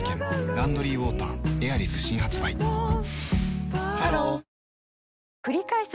「ランドリーウォーターエアリス」新発売ハローくりかえす